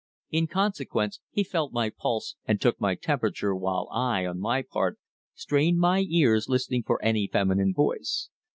In consequence, he felt my pulse and took my temperature, while I, on my part, strained my ears listening for any feminine voice.